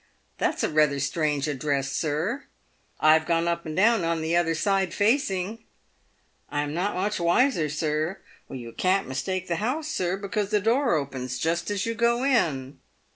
" That's a rather strange address, sir!" — "I've gone up and down on the other side facing." " I am not much wiser, sir." —" You can't mistake the house, sir, because the door opens just as you go in."